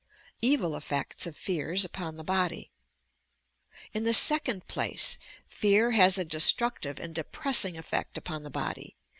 EVIL. EFFECTS OP FEAB UPON THE BODY In the second place. Fear has a destructive and de pressing effect upon the body.